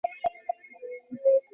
মা, গানিভ্যার!